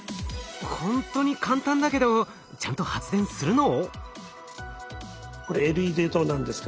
ほんとに簡単だけどちゃんと発電するの？